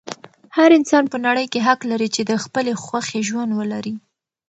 هر انسان په نړۍ کې حق لري چې د خپلې خوښې ژوند ولري.